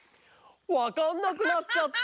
わかんなくなっちゃった！